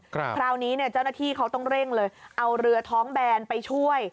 คราวนี้เนี่ยเจ้าหน้าที่เขาต้องเร่งเลยเอาเรือท้องแบนไปช่วย